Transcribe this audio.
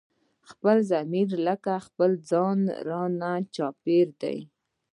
خپل ضمير لکه خپل ځان رانه چاپېر دی